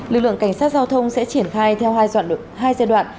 lực lượng cảnh sát giao thông sẽ triển khai theo hai giai đoạn